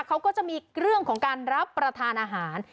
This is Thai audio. เขาก็จะมีเรื่องของการรับประทานอาหาร